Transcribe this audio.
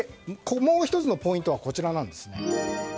もう１つのポイントはこちらです。